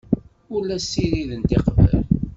Ur la ssirident iqbac.